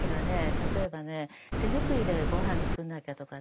例えばね手作りでごはん作んなきゃとかね